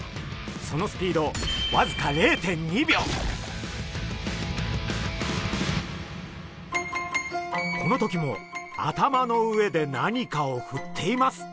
そのスピードわずかこの時も頭の上で何かをふっています。